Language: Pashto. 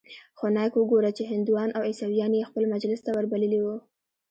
خو نايک وګوره چې هندوان او عيسويان يې خپل مجلس ته وربللي وو.